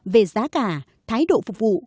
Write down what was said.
về giá cả thái độ phục vụ